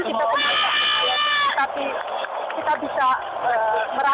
kita bisa meraih prestasi yang luar biasa